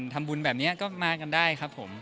ทำบุญแบบนี้ก็มากันได้ครับผม